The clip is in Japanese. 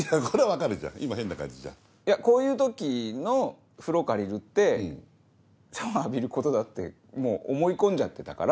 いやこういう時の「風呂借りる」ってシャワー浴びることだってもう思い込んじゃってたから。